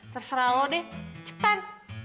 terserah lo deh cepet